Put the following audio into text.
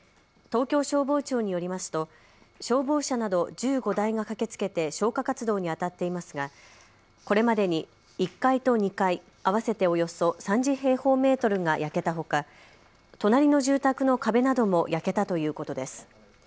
東京消防庁によりますと消防車など１５台が駆けつけて消火活動にあたっていますがこれまでに１階と２階、合わせておよそ３０平方メートルが焼けたほか隣の住宅の壁なども焼けたということです。